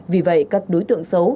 vì vậy các đối tượng xấu